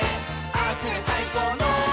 「ああすりゃさいこうの」